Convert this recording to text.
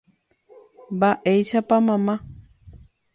Mba'éichapa mamá.